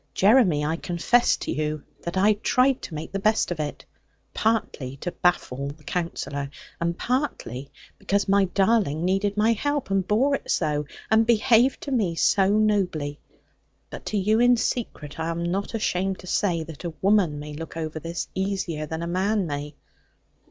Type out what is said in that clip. Jeremy, I confess to you, that I tried to make the best of it; partly to baffle the Counsellor, and partly because my darling needed my help, and bore it so, and behaved to me so nobly. But to you in secret, I am not ashamed to say that a woman may look over this easier than a man may.'